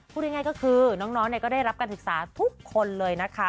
พูดง่ายก็คือน้องก็ได้รับการศึกษาทุกคนเลยนะคะ